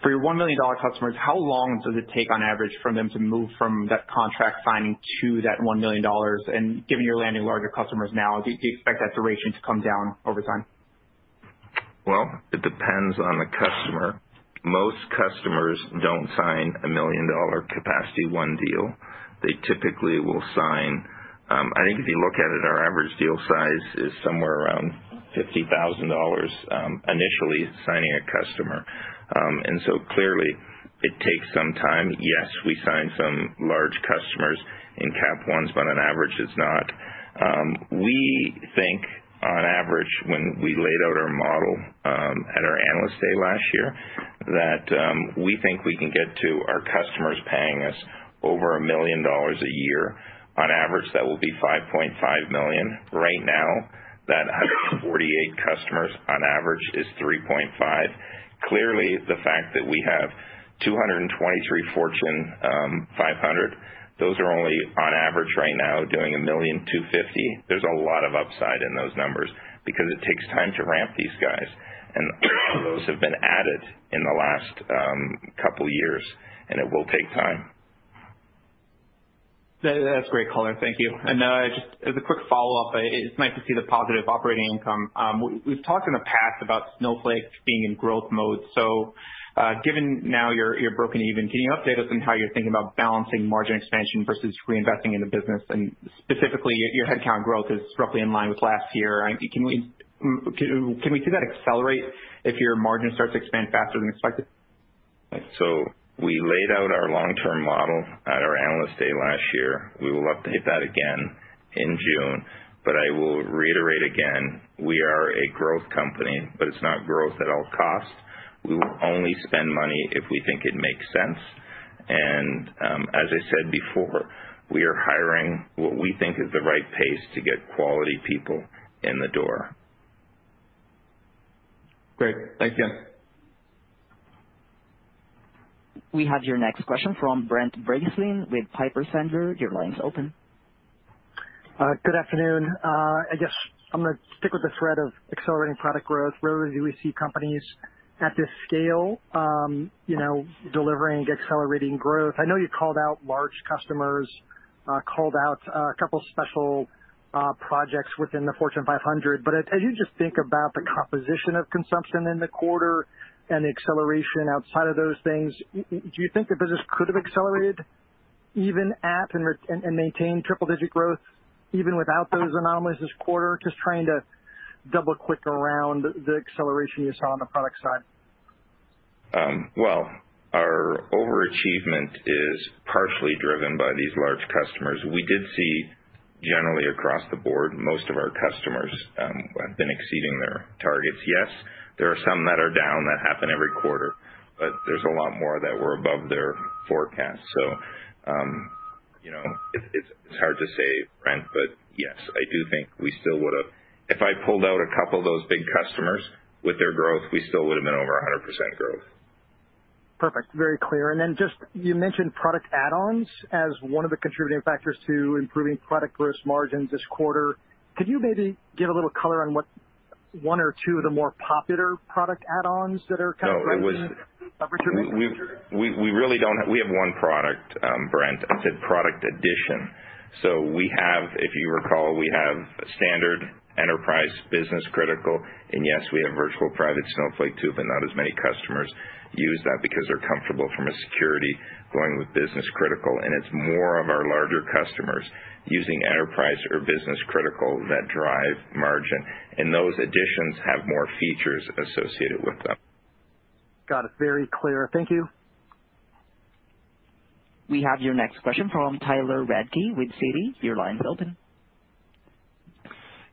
For your $1 million customers, how long does it take on average for them to move from that contract signing to that $1 million? Given you're landing larger customers now, do you expect that duration to come down over time? Well, it depends on the customer. Most customers don't sign a $1 million Capital One deal. They typically will sign. I think if you look at it, our average deal size is somewhere around $50,000 initially signing a customer. Clearly it takes some time. Yes, we sign some large customers in Capital One, but on average, it's not. We think on average, when we laid out our model at our Analyst Day last year, that we think we can get to our customers paying us over $1 million a year. On average, that will be $5.5 million. Right now, that 148 customers on average is $3.5 million. Clearly, the fact that we have 223 Fortune 500, those are only on average right now doing $1.25 million. There's a lot of upside in those numbers because it takes time to ramp these guys. Those have been added in the last couple years, and it will take time. That's great color. Thank you. Just as a quick follow-up, it's nice to see the positive operating income. We've talked in the past about Snowflake being in growth mode. Given now you're broken even, can you update us on how you're thinking about balancing margin expansion versus reinvesting in the business? And specifically, your headcount growth is roughly in line with last year. Can we see that accelerate if your margin starts to expand faster than expected? We laid out our long-term model at our Analyst Day last year. We will update that again in June. I will reiterate again, we are a growth company, but it's not growth at all costs. We will only spend money if we think it makes sense. As I said before, we are hiring what we think is the right pace to get quality people in the door. Great. Thank you. We have your next question from Brent Bracelin with Piper Sandler. Your line is open. Good afternoon. I guess I'm gonna stick with the thread of accelerating product growth. Rarely do we see companies at this scale, you know, delivering accelerating growth. I know you called out large customers, called out a couple special projects within the Fortune 500, but as you just think about the composition of consumption in the quarter and the acceleration outside of those things, do you think the business could have accelerated even at, and maintain triple-digit growth even without those anomalies this quarter? Just trying to double-click around the acceleration you saw on the product side. Our overachievement is partially driven by these large customers. We did see generally across the board, most of our customers have been exceeding their targets. Yes, there are some that are down. That happen every quarter, but there's a lot more that were above their forecast. You know, it's hard to say, Brent, but yes, I do think we still would've. If I pulled out a couple of those big customers with their growth, we still would've been over 100% growth. Perfect. Very clear. You just mentioned product add-ons as one of the contributing factors to improving product gross margins this quarter. Could you maybe give a little color on what one or two of the more popular product add-ons that are kind of- No, it was. contributing to the improvement in margin. We really don't have. We have one product, Brent. I said product edition. We have, if you recall, Standard, Enterprise, Business Critical, and yes, we have Virtual Private Snowflake too, but not as many customers use that because they're comfortable from a security going with Business Critical, and it's more of our larger customers using Enterprise or Business Critical that drive margin, and those editions have more features associated with them. Got it. Very clear. Thank you. We have your next question from Tyler Radke with Citi. Your line is open.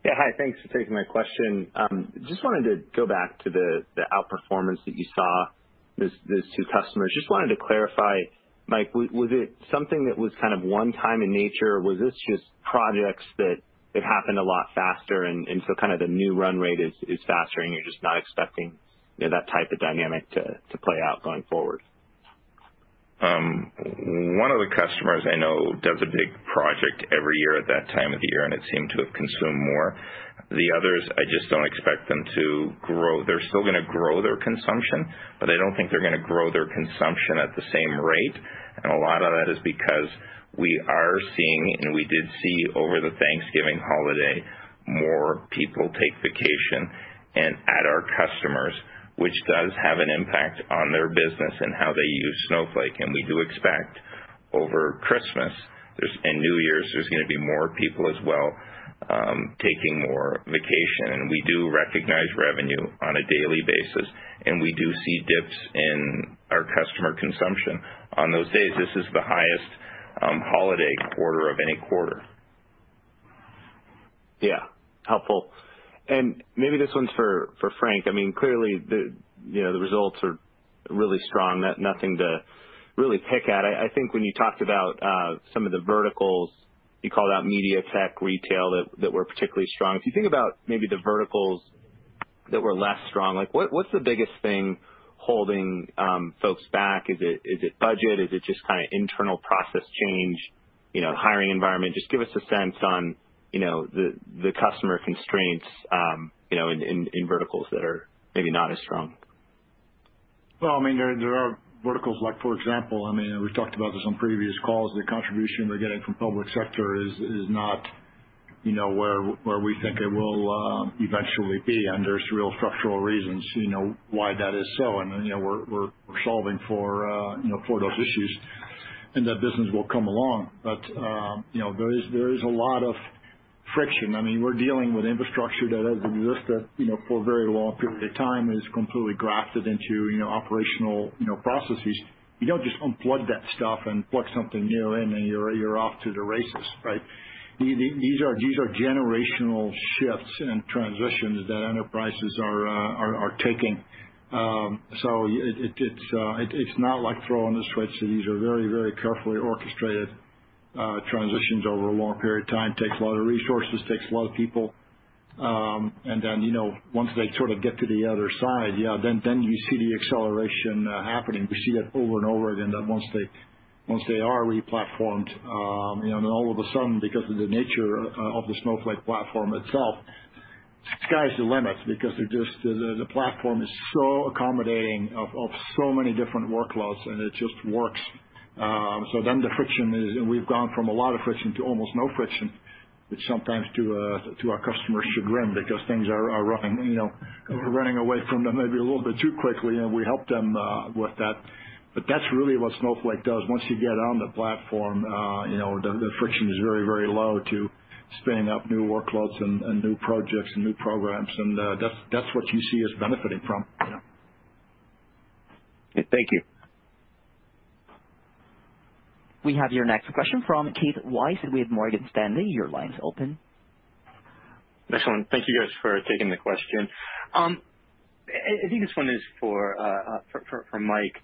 Yeah, hi. Thanks for taking my question. Just wanted to go back to the outperformance that you saw with these two customers. Just wanted to clarify, Mike, was it something that was kind of one-time in nature, or was this just projects that happened a lot faster and so kind of the new run rate is faster and you're just not expecting, you know, that type of dynamic to play out going forward? One of the customers I know does a big project every year at that time of the year, and it seemed to have consumed more. The others, I just don't expect them to grow. They're still gonna grow their consumption, but I don't think they're gonna grow their consumption at the same rate. A lot of that is because we are seeing, and we did see over the Thanksgiving holiday, more people take vacation and at our customers, which does have an impact on their business and how they use Snowflake. We do expect over Christmas and New Year's, there's gonna be more people as well, taking more vacation. We do recognize revenue on a daily basis, and we do see dips in our customer consumption on those days. This is the highest holiday quarter of any quarter. Yeah, helpful. Maybe this one's for Frank. I mean, clearly the results are really strong. Nothing to really pick at. I think when you talked about some of the verticals, you called out media, tech, retail that were particularly strong. If you think about maybe the verticals that were less strong, like what's the biggest thing holding folks back? Is it budget? Is it just kinda internal process change, you know, hiring environment? Just give us a sense on, you know, the customer constraints, you know, in verticals that are maybe not as strong. Well, I mean, there are verticals like for example, I mean, we've talked about this on previous calls, the contribution we're getting from public sector is not, you know, where we think it will eventually be, and there's real structural reasons, you know, why that is so. You know, we're solving for those issues, and that business will come along. You know, there is a lot of friction. I mean, we're dealing with infrastructure that has existed, you know, for a very long period of time. It's completely grafted into, you know, operational processes. You don't just unplug that stuff and plug something new in and you're off to the races, right? These are generational shifts and transitions that enterprises are taking. It's not like throwing the switch. These are very, very carefully orchestrated transitions over a long period of time. It takes a lot of resources, takes a lot of people. You know, once they sort of get to the other side, yeah, then you see the acceleration happening. We see that over and over again, that once they are re-platformed, you know, all of a sudden, because of the nature of the Snowflake platform itself, sky's the limit because the platform is so accommodating of so many different workloads and it just works. The friction is, and we've gone from a lot of friction to almost no friction, which sometimes to our customers' chagrin because things are running, you know, running away from them maybe a little bit too quickly, and we help them with that. That's really what Snowflake does. Once you get on the platform, you know, the friction is very, very low to spinning up new workloads and new projects and new programs. That's what you see us benefiting from. Yeah. Thank you. We have your next question from Keith Weiss with Morgan Stanley. Your line is open. Excellent. Thank you guys for taking the question. I think this one is for Mike.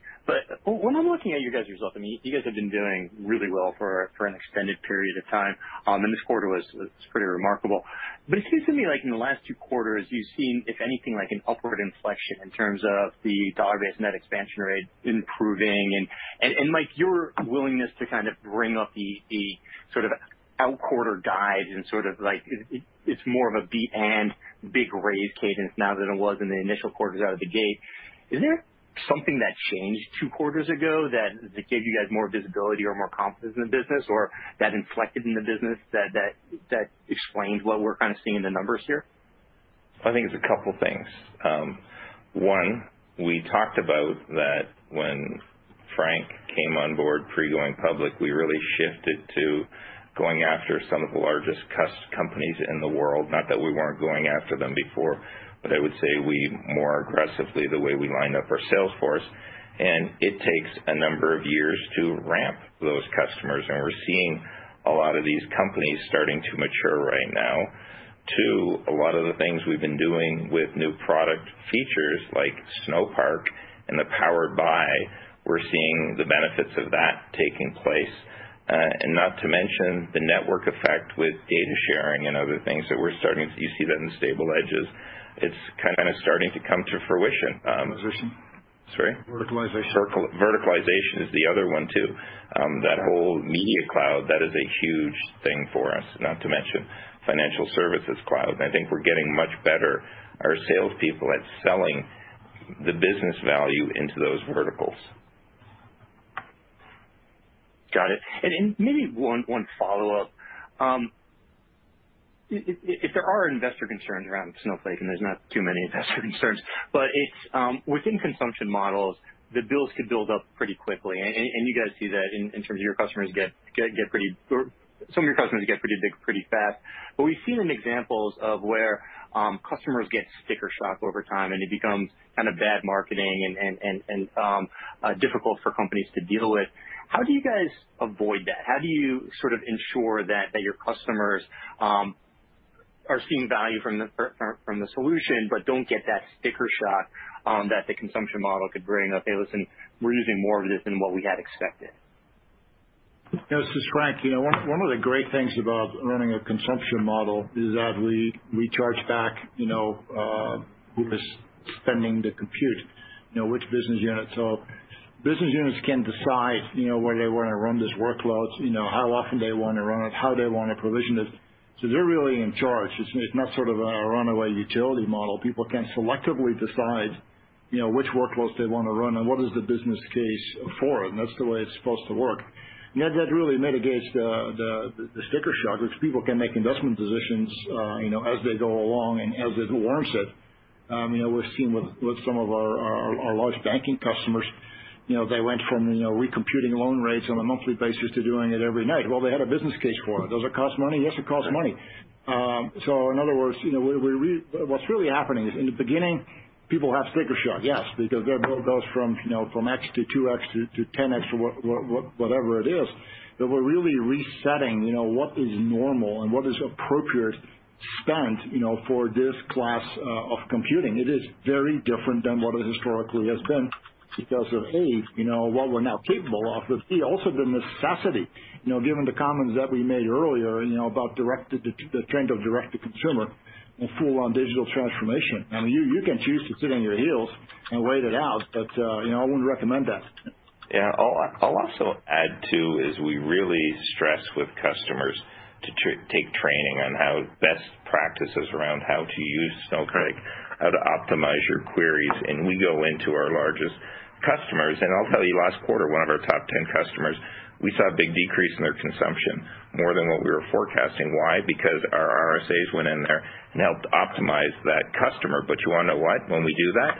When I'm looking at your guys' result, I mean, you guys have been doing really well for an extended period of time, and this quarter was pretty remarkable. It seems to me like in the last two quarters, you've seen, if anything, like an upward inflection in terms of the dollar-based net expansion rate improving. Mike, your willingness to kind of bring up the sort of outquarter guides and sort of like it's more of a beat and big raise cadence now than it was in the initial quarters out of the gate. Is there something that changed two quarters ago that gave you guys more visibility or more confidence in the business, or that inflected in the business that explains what we're kind of seeing in the numbers here? I think it's a couple things. One, we talked about that when Frank came on board pre-going public, we really shifted to going after some of the largest companies in the world. Not that we weren't going after them before, but I would say we more aggressively, the way we lined up our sales force, and it takes a number of years to ramp those customers, and we're seeing a lot of these companies starting to mature right now. Two, a lot of the things we've been doing with new product features like Snowpark and the Powered by, we're seeing the benefits of that taking place. Not to mention the network effect with data sharing and other things that we're starting to you see that in the stable edges. It's kind of starting to come to fruition. Verticalization. Sorry? Verticalization. Verticalization is the other one, too. That whole Media Cloud, that is a huge thing for us, not to mention Financial Services Cloud. I think we're getting much better, our salespeople, at selling the business value into those verticals. Got it. Then maybe one follow-up. If there are investor concerns around Snowflake, and there's not too many investor concerns, but it's within consumption models, the bills could build up pretty quickly. And you guys see that in terms of your customers get pretty big, pretty fast. We've seen examples of where customers get sticker shock over time, and it becomes kind of bad marketing and difficult for companies to deal with. How do you guys avoid that? How do you sort of ensure that your customers are seeing value from the solution, but don't get that sticker shock that the consumption model could bring of, "Hey, listen, we're using more of this than what we had expected. You know, this is Frank. You know, one of the great things about running a consumption model is that we charge back, you know, who is spending the compute, you know, which business unit. Business units can decide, you know, where they wanna run these workloads, you know, how often they wanna run it, how they wanna provision it. They're really in charge. It's not sort of a runaway utility model. People can selectively decide, you know, which workloads they wanna run, and what is the business case for it, and that's the way it's supposed to work. You know, that really mitigates the sticker shock, which people can make investment decisions, you know, as they go along and as it warrants it. You know, we're seeing with some of our large banking customers. You know, they went from, you know, recomputing loan rates on a monthly basis to doing it every night. Well, they had a business case for it. Does it cost money? Yes, it costs money. So in other words, you know, what's really happening is in the beginning, people have sticker shock, yes, because their bill goes from, you know, from X to 2X to 10X or whatever it is. But we're really resetting, you know, what is normal and what is appropriate spent, you know, for this class of computing. It is very different than what it historically has been because of, A, you know, what we're now capable of. But B, also the necessity. You know, given the comments that we made earlier, you know, about the trend of direct-to-consumer and full-on digital transformation. I mean, you can choose to sit on your heels and wait it out, but you know, I wouldn't recommend that. Yeah. I'll also add, too, is we really stress with customers to take training on how best practices around how to use Snowflake, how to optimize your queries. We go into our largest customers. I'll tell you, last quarter, one of our top 10 customers, we saw a big decrease in their consumption, more than what we were forecasting. Why? Because our RSAs went in there and helped optimize that customer. You wanna know what? When we do that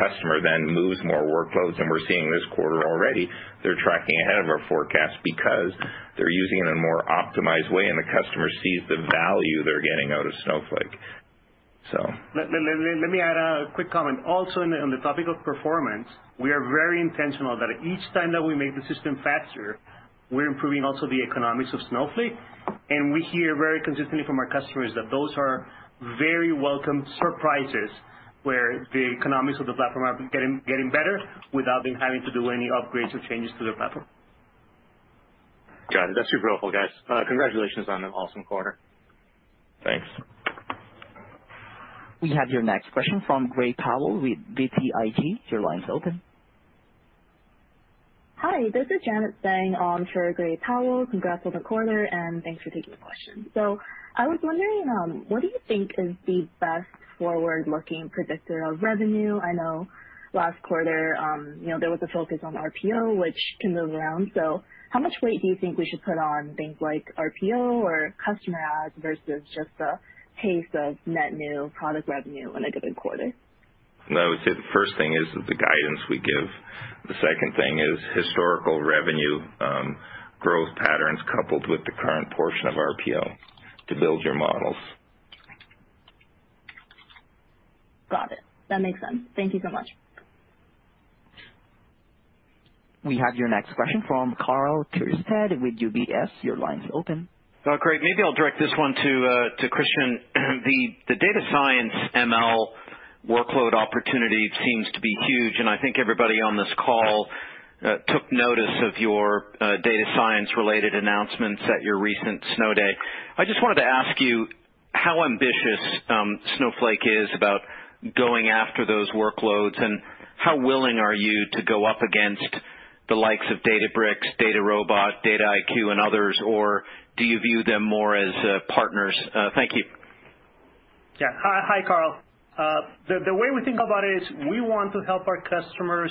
customer then moves more workloads, and we're seeing this quarter already, they're tracking ahead of our forecast because they're using it in a more optimized way, and the customer sees the value they're getting out of Snowflake, so. Let me add a quick comment. Also on the topic of performance, we are very intentional that each time that we make the system faster, we're improving also the economics of Snowflake. We hear very consistently from our customers that those are very welcome surprises, where the economics of the platform are getting better without them having to do any upgrades or changes to their platform. Got it. That's super helpful, guys. Congratulations on an awesome quarter. Thanks. We have your next question from Gray Powell with BTIG. Your line's open. Hi, this is Janet Zhang on for Gray Powell. Congrats on the quarter, and thanks for taking the question. I was wondering, what do you think is the best forward-looking predictor of revenue? I know last quarter, you know, there was a focus on RPO, which can move around. How much weight do you think we should put on things like RPO or customer adds versus just the pace of net new product revenue in a given quarter? No, I would say the first thing is the guidance we give. The second thing is historical revenue, growth patterns coupled with the current portion of RPO to build your models. Got it. That makes sense. Thank you so much. We have your next question from Karl Keirstead with UBS. Your line's open. Great. Maybe I'll direct this one to Christian. The data science ML workload opportunity seems to be huge, and I think everybody on this call took notice of your data science-related announcements at your recent Snowday. I just wanted to ask you how ambitious Snowflake is about going after those workloads and how willing are you to go up against the likes of Databricks, DataRobot, Dataiku, and others? Or do you view them more as partners? Thank you. Yeah. Hi, Karl. The way we think about it is we want to help our customers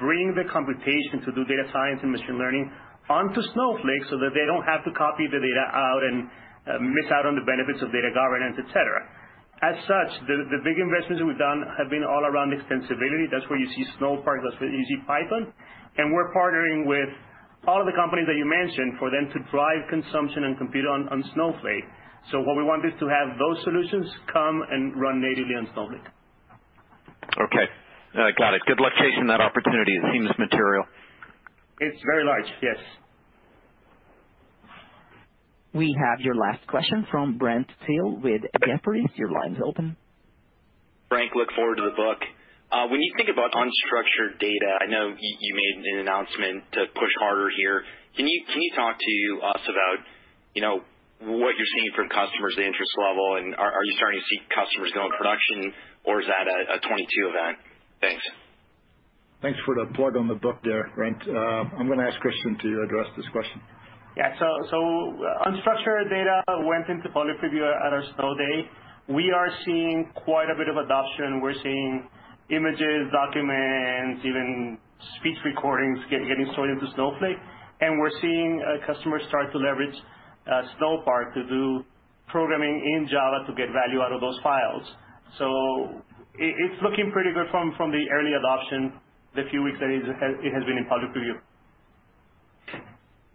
bring the computation to do data science and machine learning onto Snowflake so that they don't have to copy the data out and miss out on the benefits of data governance, et cetera. As such, the big investments we've done have been all around extensibility. That's where you see Snowpark, that's where you see Python. We're partnering with all of the companies that you mentioned for them to drive consumption and compete on Snowflake. What we want is to have those solutions come and run natively on Snowflake. Okay. Got it. Good location, that opportunity. It seems material. It's very large, yes. We have your last question from Brent Thill with Jefferies. Your line's open. Frank, I look forward to the book. When you think about unstructured data, I know you made an announcement to push harder here. Can you talk to us about, you know, what you're seeing from customers, the interest level, and are you starting to see customers go in production or is that a 2022 event? Thanks. Thanks for the plug on the book there, Brent. I'm gonna ask Christian to address this question. Yeah. Unstructured data went into public preview at our Snowday. We are seeing quite a bit of adoption. We're seeing images, documents, even speech recordings getting stored into Snowflake. We're seeing customers start to leverage Snowpark to do programming in Java to get value out of those files. It's looking pretty good from the early adoption the few weeks that it has been in public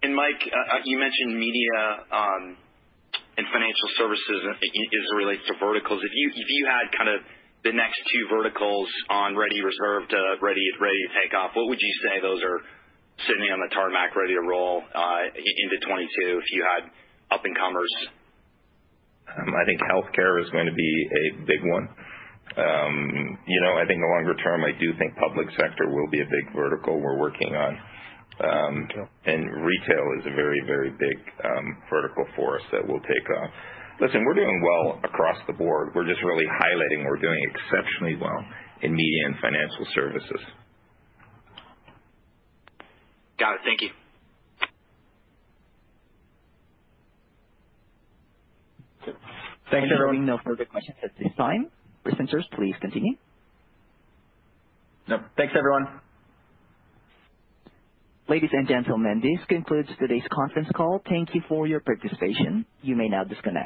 preview. Mike, you mentioned media and financial services as it relates to verticals. If you had kind of the next two verticals on ready reserve to ready to take off, what would you say those are sitting on the tarmac ready to roll into 2022 if you had up-and-comers? I think healthcare is going to be a big one. You know, I think longer term, I do think public sector will be a big vertical we're working on. Retail is a very big vertical for us that will take off. Listen, we're doing well across the board. We're just really highlighting we're doing exceptionally well in media and financial services. Got it. Thank you. Thank you. There are no further questions at this time. Presenters, please continue. Yep. Thanks, everyone. Ladies and gentlemen, this concludes today's conference call. Thank you for your participation. You may now disconnect.